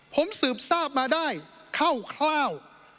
ผมสืบทราบมาได้คร่าว